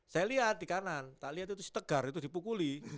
saya lihat di kanan tak lihat itu tegar itu dipukuli